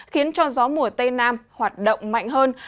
khiến cho gió mùa tây nam hoạt động mạnh hơn